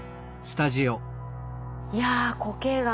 いや固形がん